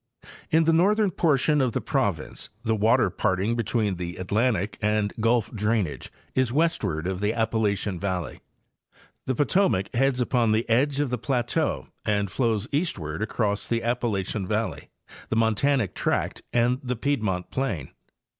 In the northern portion of the province the water parting be tween the Atlantic and Gulf drainage is westward of the Appa lachian valley. The Potomac heads upon the edge of the plateau and flows eastward across the Appalachian valley, the montanic tract and the piedmont plain.